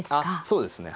そうですね。